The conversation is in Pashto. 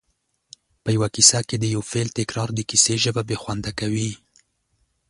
په یوه کیسه کې د یو فعل تکرار د کیسې ژبه بې خونده کوي